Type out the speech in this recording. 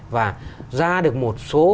và ra được một số